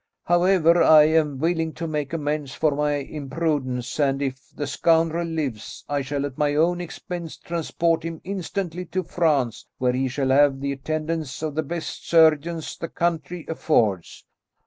However, I am willing to make amends for my imprudence, and if the scoundrel lives, I shall, at my own expense, transport him instantly to France, where he shall have the attendance of the best surgeons the country affords."